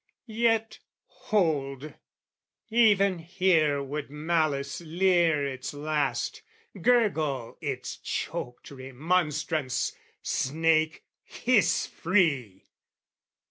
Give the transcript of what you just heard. Yet hold, even here would malice leer its last, Gurgle its choaked remonstrance: snake, hiss free!